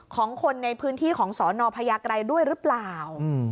ของคนในพื้นที่ของสนพญาไกรด้วยหรือเปล่า